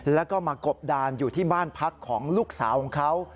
แล้วก็มากบดานอยู่ที่บ้านพักของลูกสาวของเขา